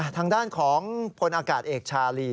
ทางด้านของพลอากาศเอกชาลี